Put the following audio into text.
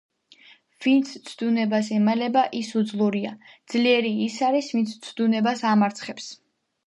ვინც ცდუნებას ემალება, ის უძლურია. ძლიერი ის არის, ვინც ცდუნებას ამარცხებს.